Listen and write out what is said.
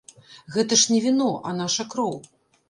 Гэта ж не віно, а наша кроў.